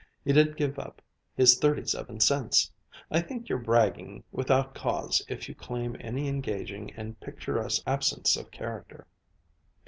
He didn't give up his thirty seven cents. I think you're bragging without cause if you claim any engaging and picturesque absence of character."